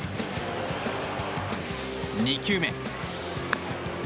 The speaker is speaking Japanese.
２球目。